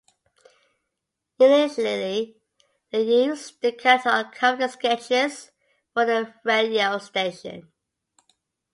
Initially, they used the character on comedy sketches for the radio station.